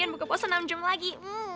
dan buka puasa enam jam lagi